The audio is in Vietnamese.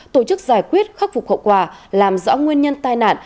tổ chức giải quyết khắc phục hậu quả làm rõ nguyên nhân tai nạn